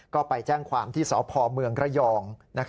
ก็ไปแจ้งความที่สหนระยอง